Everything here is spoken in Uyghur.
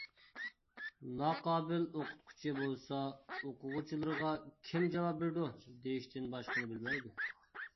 ناقابىل ئوقۇتقۇچى بولسا ئوقۇغۇچىلىرىغا:كىم جاۋاب بېرىدۇ، دېيىشتىن باشقىنى بىلمەيدۇ.